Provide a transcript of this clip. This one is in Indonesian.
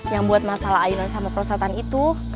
yang buat masalah ayunan sama prosatan itu